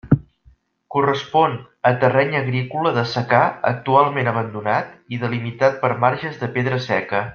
Correspon a terreny agrícola de secà actualment abandonat i delimitat per marges de pedra seca.